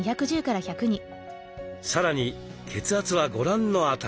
さらに血圧はご覧の値。